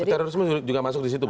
terorisme juga masuk di situ